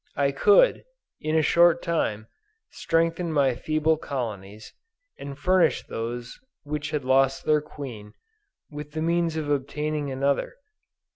I could, in a short time, strengthen my feeble colonies, and furnish those which had lost their Queen with the means of obtaining another.